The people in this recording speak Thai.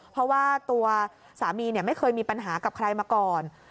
เพราะว่าตัวสามีไม่เคยมีปัญหากับใครมาก่อน